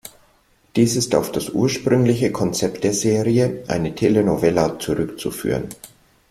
Dies ist auf das ursprüngliche Konzept der Serie, eine Telenovela, zurückzuführen.